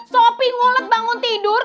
sopi ngulet bangun tidur